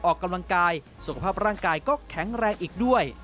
ออกกำลังกายสุขภาพร่างกายก็แข็งแรงอีกด้วย